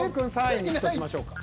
３位にしときましょうか。